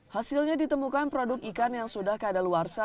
hasilnya ditemukan produk ikan yang sudah kada luar sa